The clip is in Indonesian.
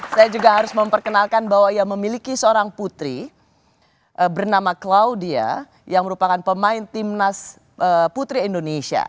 saya juga harus memperkenalkan bahwa ia memiliki seorang putri bernama claudia yang merupakan pemain timnas putri indonesia